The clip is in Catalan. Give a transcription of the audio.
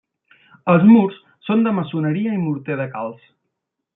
Els murs són de maçoneria i morter de calç.